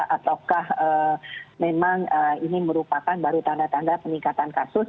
ataukah memang ini merupakan baru tanda tanda peningkatan kasus